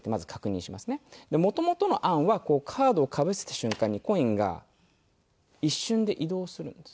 元々の案はカードをかぶせた瞬間にコインが一瞬で移動するんです。